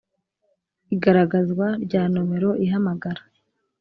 Igaragazwa rya nomero ihamagara